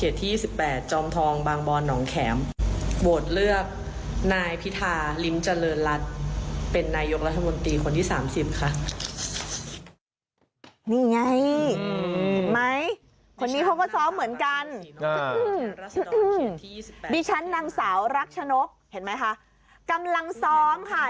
นี่ดิฉันนางสาวรักชนกเห็นไหมคะกำลังซ้อมค่ะ